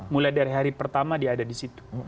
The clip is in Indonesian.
mulai dari hari pertama dia ada di situ